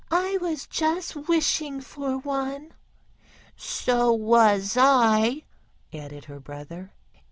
"I was just wishing for one." "So was I," added her brother.